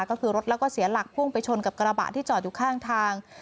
ก็คือรถแล้วก็เสียหลักพุ่งไปชนกับกระบะที่จอดอยู่ข้างทาง